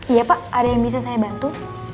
iya pak ada yang bisa saya bantu